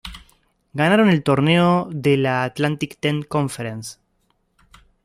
Ganaron el torneo de la Atlantic Ten Conference.